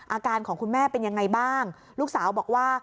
อาการของคุณแม่เป็นยังไงบ้างลูกสาวบอกว่า